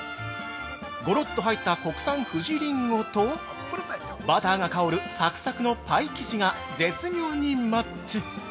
ごろっと入った国産ふじりんごと、バターが香るサクサクのパイ生地が絶妙にマッチ。